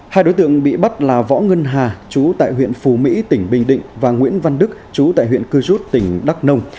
hai đối tượng bị bắt là võ ngân hà chú tại huyện phù mỹ tỉnh bình định và nguyễn văn đức chú tại huyện cư rút tỉnh đắk nông